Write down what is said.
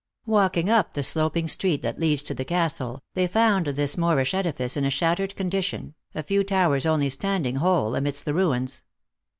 Walking up the sloping street that leads to the castle, they found this Moorish edifice in a shattered condition, a few towers only standing whole amidst the ruins.